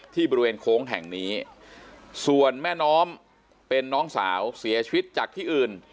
ที่บริเวณโค้งแห่งนี้ส่วนแม่น้อมเป็นน้องสาวเสียชีวิตจากที่อื่น